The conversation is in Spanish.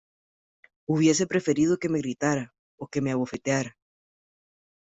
hubiese preferido que me gritara o que me abofeteara,